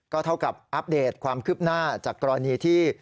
เท่ากับอัปเดตความคืบหน้าจากกรณีที่